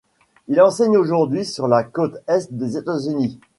Il enseigne aujourd'hui sur la côte est des États-Unis.